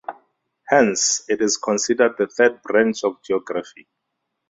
Hence, it is considered the third branch of geography.